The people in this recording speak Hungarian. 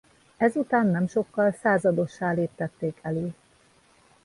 Ez után nem sokkal századossá léptették elő.